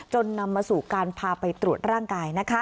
นำมาสู่การพาไปตรวจร่างกาย